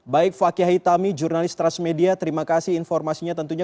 baik fakih hitami jurnalis trash media terima kasih informasinya